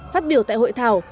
phát biểu tại hội thảo